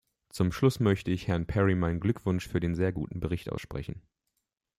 Zum Schluss möchte ich Herrn Perry meinen Glückwunsch für den sehr guten Bericht aussprechen.